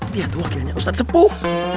dia tuh wakilnya ustadz sepuh